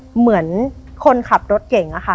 เหมือนคนขับรถเก่งอะค่ะ